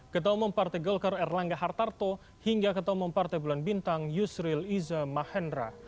ketua umum partai golkar erlangga hartarto hingga ketemu partai bulan bintang yusril izza mahendra